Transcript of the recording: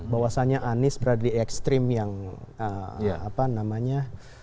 bahwasannya anies berada di ekstrim yang apa namanya